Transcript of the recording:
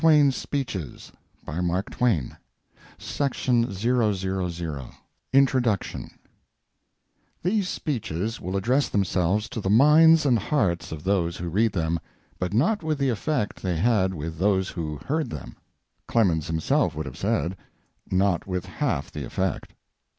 LOUIS HARBOR BOAT "MARK TWAIN" SEVENTIETH BIRTHDAY INTRODUCTION These speeches will address themselves to the minds and hearts of those who read them, but not with the effect they had with those who heard them; Clemens himself would have said, not with half the effect.